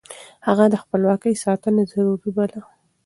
هغه د خپلواکۍ ساتنه ضروري بلله.